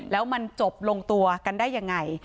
แล้วมันจบลงตัวกันได้ยังไง